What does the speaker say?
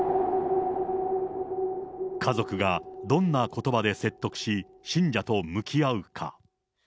家族がどんなことばで説得し、信者と向き合うか。